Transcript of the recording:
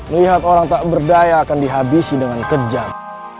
lihat orang tak berdaya akan dihabisi dengan kejam